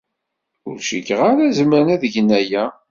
Ur cikkeɣ ara zemren ad gen aya.